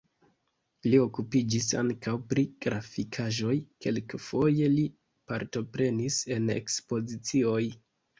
Li okupiĝis ankaŭ pri grafikaĵoj, kelkfoje li partoprenis en ekspozicioj.